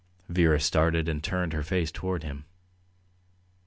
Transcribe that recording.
Vera started and turned her face towards him.